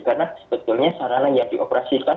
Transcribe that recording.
karena sebetulnya sarana yang dioperasikan